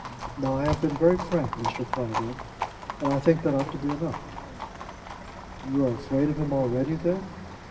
Now I have been very frank, Mr. Clavering, and I think that that ought to be enough." "You are afraid of him already, then?"